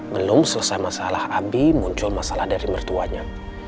belum selesai masalah abi muncul masalah dari mertuanya